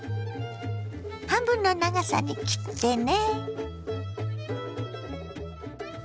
半分の長さに切ってね。